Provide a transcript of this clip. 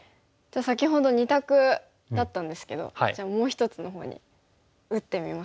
先ほど２択だったんですけどもう一つのほうに打ってみますか。